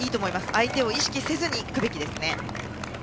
相手を意識せずに行くべきですね。